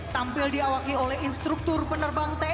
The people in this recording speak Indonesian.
tampil diawaki oleh instruktur penerbang tni